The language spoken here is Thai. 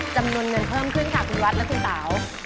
จำนวนเงินเพิ่มขึ้นค่ะคุณวัดและคุณเต๋า